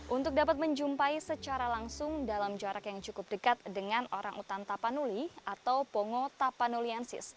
untuk dapat menjumpai secara langsung dalam jarak yang cukup dekat dengan orangutan tapanuli atau pongo tapanuliansis